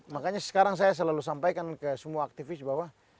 makanya sekarang saya selalu sampaikan ke semua aktivis bahwa